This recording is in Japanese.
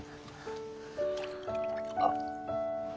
あっ。